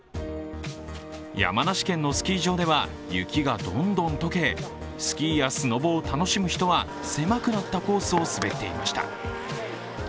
山梨県のスキー場では雪がどんどん解け、スキーやスノボを楽しむ人は狭くなったコースを滑っていました。